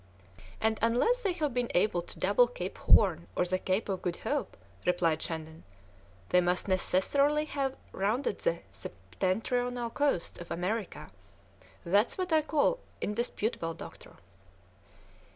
"And unless they have been able to double Cape Horn or the Cape of Good Hope," replied Shandon, "they must necessarily have rounded the septentrional coasts of America that's what I call indisputable, doctor."